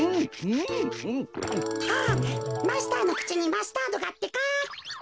あっマスターのくちにマスタードがってか。